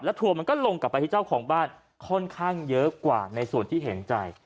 ทัวร์มันก็ลงกลับไปที่เจ้าของบ้านค่อนข้างเยอะกว่าในส่วนที่เห็นใจ